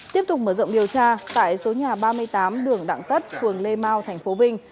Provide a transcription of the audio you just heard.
tiếp tục mở rộng điều tra tại số nhà ba mươi tám đường đặng tất phường lê mau tp vinh